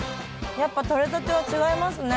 やっぱとれたては違いますね。